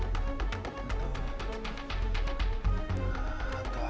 nah begitu lah tuh rupanya